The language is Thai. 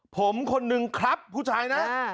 ผมคนหนึ่งครับท่าร้า